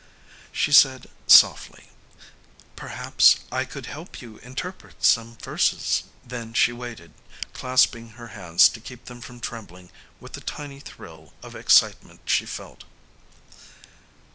She said softly, "Perhaps I could help you interpret some verses." Then she waited, clasping her hands to keep them from trembling with the tiny thrill of excitement she felt.